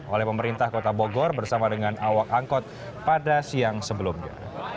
oleh pemerintah kota bogor bersama dengan awak angkot pada siang sebelumnya